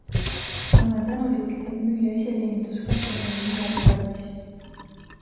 Ma olen tänulik, et müüja iseteeninduskassas oli nii abivalmis.